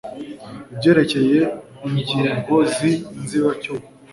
ibyerekeye ingingo z inzibacyuho